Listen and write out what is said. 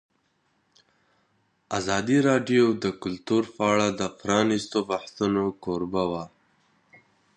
ازادي راډیو د کلتور په اړه د پرانیستو بحثونو کوربه وه.